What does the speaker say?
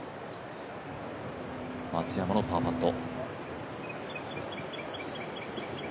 松山のパーパット。